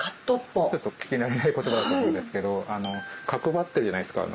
ちょっと聞き慣れない言葉だと思うんですけどかくばってるじゃないですか。